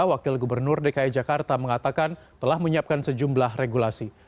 wakil gubernur dki jakarta mengatakan telah menyiapkan sejumlah regulasi